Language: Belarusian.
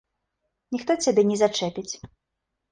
Ніхто цябе не зачэпіць.